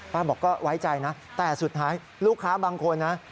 ป้าบอกว่าไว้ใจนะแต่สุดท้ายลูกค้าบางคน